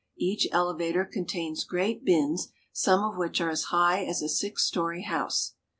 Each elevator contains great bins, some of which are as high as a six story house.